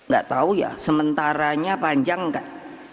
gak tahu ya sementaranya panjang nggak